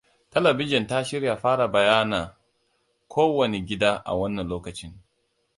Talabijin ta shirya fara bayyana ko wane gida a wannan lokacin.